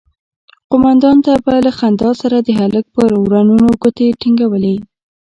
قومندان به له خندا سره د هلک پر ورنونو گوتې ټينگولې.